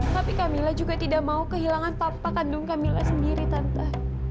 tapi kamila juga tidak mau kehilangan papa kandung kamila sendiri tante